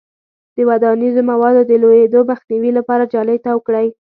د ودانیزو موادو د لویدو مخنیوي لپاره جالۍ تاو کړئ.